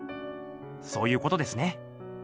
そういうことですね。